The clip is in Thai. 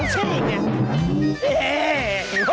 แตกสองซี่เลยวะ